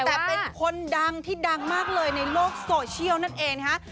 แต่เป็นคนดังที่ดังมากเลยในโลกโซเชียลนั่นเองนะคะ